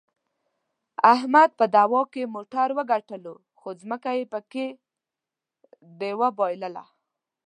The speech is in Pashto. احمد په دعوا کې موټر وګټلو، خو ځمکه یې پکې د وباییلله.